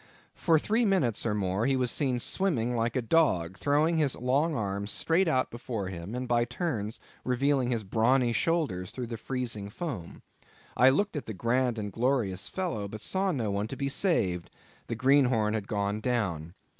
For three minutes or more he was seen swimming like a dog, throwing his long arms straight out before him, and by turns revealing his brawny shoulders through the freezing foam. I looked at the grand and glorious fellow, but saw no one to be saved. The greenhorn had gone down.